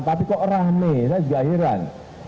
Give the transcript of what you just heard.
tapi kok rame saya juga heran